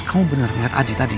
kamu benar melihat adi tadi